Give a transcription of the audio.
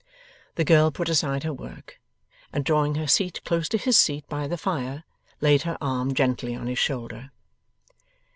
The girl put aside her work, and drawing her seat close to his seat by the fire, laid her arm gently on his shoulder.